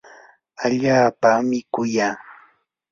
allaapami kuyaa.